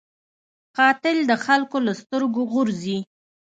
قاتل د خلکو له سترګو غورځي